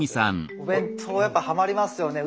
お弁当やっぱハマりますよね。